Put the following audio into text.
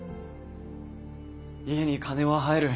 家に金は入る。